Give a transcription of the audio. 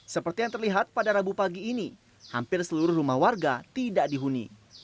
seperti yang terlihat pada rabu pagi ini hampir seluruh rumah warga tidak dihuni